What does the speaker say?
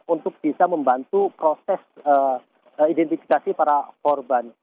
untuk bisa membantu proses identifikasi para korban